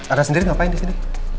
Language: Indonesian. ada sendiri ngapain di sini